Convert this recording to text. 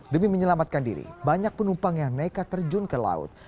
demi menyelamatkan diri banyak penumpang yang nekat terjun ke laut